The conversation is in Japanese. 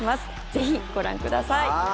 ぜひご覧ください。